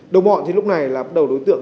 đồng bọn thì lúc này là bắt đầu đối tượng